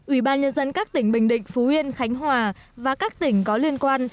ủy ban nhân dân các tỉnh bình định phú yên khánh hòa và các tỉnh có liên quan